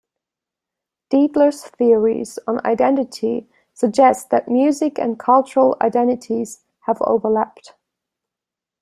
Dietler's theories on identity suggest that music and cultural identities have overlapped.